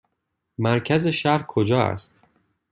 مرکز شهر کجا است؟